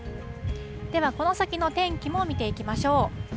では、この先の天気も見ていきましょう。